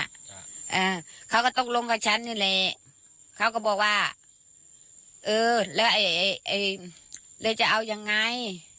อ่าเขาก็ตกลงกับฉันนี่แหละเขาก็บอกว่าเออแล้วไอ้ไอ้เลยจะเอายังไง